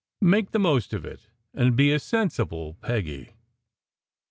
Make the most of it, and be a sensible Peggy!"